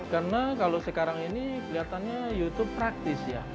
karena kalau sekarang ini kelihatannya youtube praktis ya